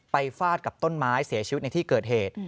ฟาดกับต้นไม้เสียชีวิตในที่เกิดเหตุ